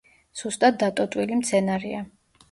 სუსტად დატოტვილი მცენარეა.